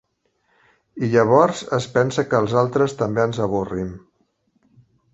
I llavors, es pensa que els altres també ens avorrim.